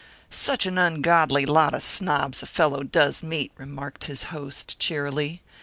"Such an ungodly lot of snobs a fellow does meet!" remarked his host, cheerily.